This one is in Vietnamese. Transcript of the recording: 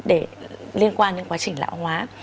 để liên quan đến quá trình lão hóa